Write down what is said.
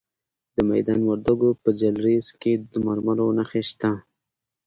د میدان وردګو په جلریز کې د مرمرو نښې شته.